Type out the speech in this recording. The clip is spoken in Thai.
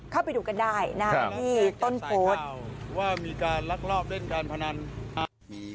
เข้าไปดูกันได้นะที่ต้นฝูท